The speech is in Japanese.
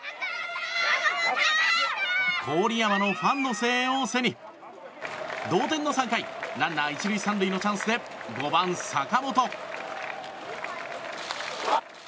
郡山のファンの声援を背に同点の３回ランナー１塁３塁のチャンスで５番、坂本。